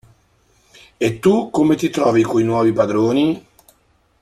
E tu come ti trovi coi nuovi padroni?